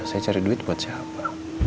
saya cari duit buat siapa